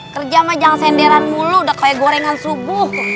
kerja mah jangan senderan mulu udah kayak gorengan subuh